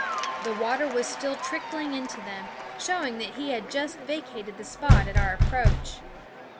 The water was still trickling into them, showing that he had just vacated the spot at our approach.